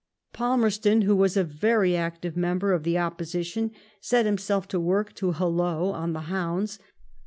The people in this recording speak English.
Palmerston, who was a very active member of the Opposition, set himself to work to holloa on the hounds.